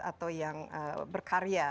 atau yang berkarya